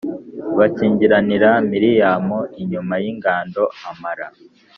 Bakingiranira Miriyamu inyuma y’ingando amara